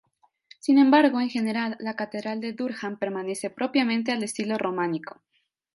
Sin embargo, en general, la catedral de Durham pertenece propiamente al estilo románico.